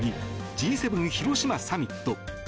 Ｇ７広島サミット。